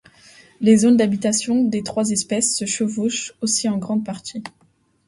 Les zones d'habitation des trois espèces se chevauchent aussi en grande partie.